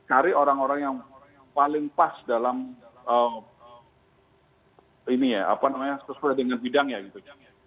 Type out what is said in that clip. cari orang orang yang paling pas dalam ini ya apa namanya sesuai dengan bidangnya gitu